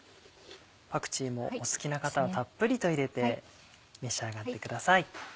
パクチーもお好きな方はたっぷりと入れて召し上がってください。